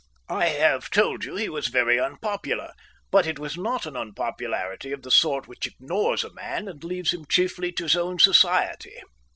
I have told you he was very unpopular, but it was not an unpopularity of the sort which ignores a man and leaves him chiefly to his own society.